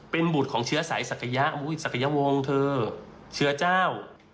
เป็นบุตรของเชื้อสายศักยะศักยวงเธอเชื้อเจ้า